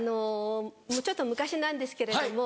ちょっと昔なんですけれども。